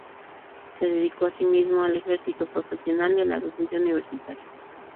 Se dedicó, así mismo, al ejercicio profesional y a la docencia universitaria.